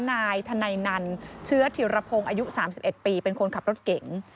นายธนัยนันเชื้อธิรพงศ์อายุ๓๑ปีเป็นคนขับรถเก๋ง